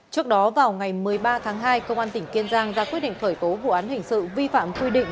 trước đó vào ngày một mươi ba tháng hai công an tỉnh kiên giang ra quyết định khởi tố vụ án hình sự vi phạm quy định